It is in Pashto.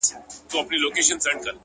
د زړه له درده دا نارۍ نه وهم ـ